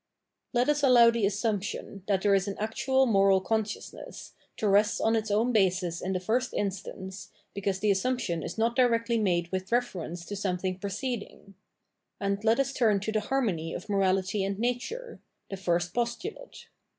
Let us allow the assumption, that there is an actual moral consciousness, to rest on its own basis in the first instance, because the assumption is not directly made with reference to something preceding ; and let us turn to the harmony of morality and nature — the fixst postulate.